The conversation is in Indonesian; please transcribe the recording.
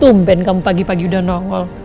tumben kamu pagi pagi udah nongol